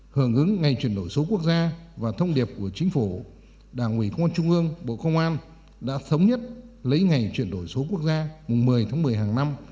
hưởng ứng ngày chuyển đổi số quốc gia và thông điệp của chính phủ đảng ủy công an trung ương bộ công an đã thống nhất lấy ngày chuyển đổi số quốc gia mùng một mươi tháng một mươi hàng năm